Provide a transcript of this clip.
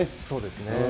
そうですね。